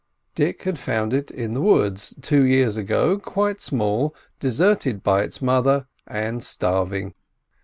Dick had found it in the woods two years ago, quite small, deserted by its mother, and starving.